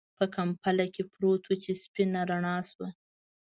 په کمپله کې پروت و چې سپينه رڼا شوه.